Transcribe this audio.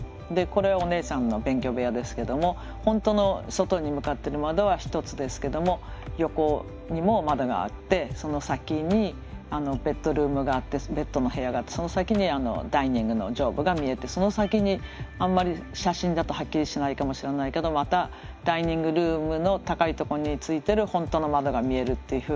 これはお姉さんの勉強部屋ですけども本当の外に向かってる窓は一つですけども横にも窓があってその先にベッドルームがあってベッドの部屋があってその先にダイニングの上部が見えてその先にあんまり写真だとはっきりしないかもしれないけどまたダイニングルームの高いとこについてる本当の窓が見えるっていうふうに。